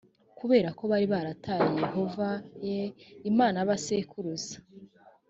kubera ko bari barataye yehova e imana ya ba sekuruza